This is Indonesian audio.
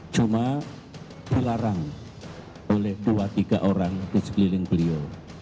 cuma dilarang oleh dua tiga orang di sekeliling beliau